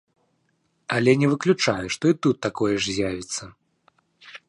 Але не выключаю, што і тут такое ж з'явіцца.